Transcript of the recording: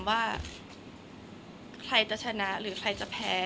คนเราถ้าใช้ชีวิตมาจนถึงอายุขนาดนี้แล้วค่ะ